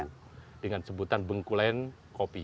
kemudian yang kedua kita akan melakukan penyelamatan bengkulen kopi